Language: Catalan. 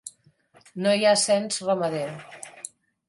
No hi ha cens ramader.